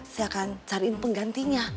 saya akan cariin penggantinya